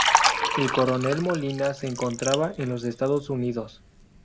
El Coronel Molina se encontraba en los Estados Unidos.